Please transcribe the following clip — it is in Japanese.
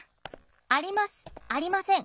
ありますありません